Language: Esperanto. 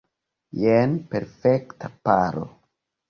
Jen perfekta paro!